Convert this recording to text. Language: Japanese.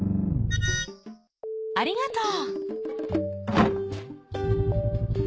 ありがとう。